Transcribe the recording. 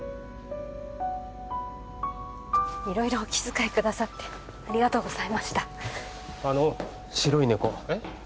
色々お気遣いくださってありがとうございましたあの白いねこえっ？